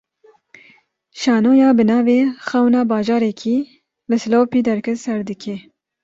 Şanoya bi navê "Xewna Bajarekî", li Silopî derket ser dikê